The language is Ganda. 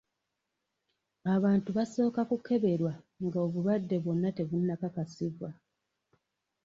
Abantu basooka kukeberwa nga obulwadde bwonna tebunnakakasibwa.